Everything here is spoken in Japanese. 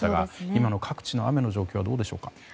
今の各地の雨はどうでしょう。